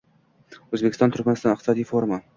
O‘zbekiston – Turkmaniston iqtisodiy forumi